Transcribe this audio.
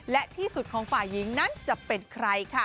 และที่สุดของฝ่ายหญิงนั้นจะเป็นใครค่ะ